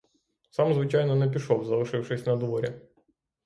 Сам, звичайно, не пішов, залишившись надворі.